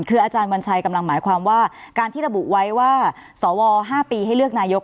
คืออาจารย์วัญชัยกำลังหมายความว่าการที่ระบุไว้ว่าสว๕ปีให้เลือกนายก